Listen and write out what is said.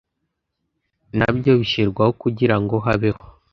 nabyo bishyirwaho kugira ngo habeho